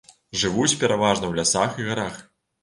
Жывуць пераважна ў лясах і гарах.